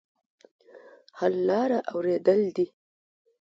حل لاره اورېدل دي.